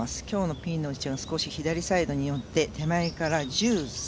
今日のピンの位置は左サイドに寄って、手前から１３。